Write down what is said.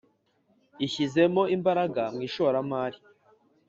Ishyizemo imbaraga mu ishoramari.